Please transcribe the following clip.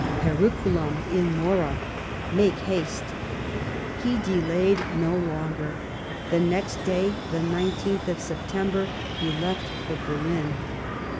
" Periculum in mora " (Make haste). He delayed no longer ; the next day, the 19th of September, he left for Berlin.